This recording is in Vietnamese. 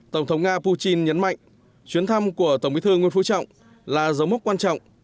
tổng thống nga putin nhấn mạnh chuyến thăm của tổng bí thư nguyễn phú trọng là dấu mốc quan trọng